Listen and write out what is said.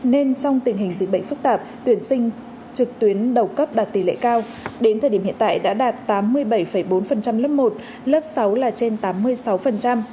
nên trong tình hình dịch bệnh phức tạp tuyển sinh trực tuyến đầu cấp đạt tỷ lệ cao đến thời điểm hiện tại đã đạt tám mươi bảy bốn lớp một lớp sáu là trên tám mươi sáu